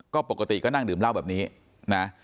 ก็ปกติก็นั่งดื่มเหล้าแบบนี้นะ